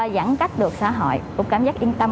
giãn cách được xã hội cũng cảm giác yên tâm